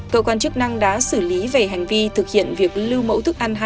cơ quan chức năng đã xử lý về hành vi thực hiện việc lưu mẫu thức ăn hai